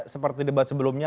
seperti debat sebelumnya